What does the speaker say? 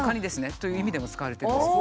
という意味でも使われているんですよ。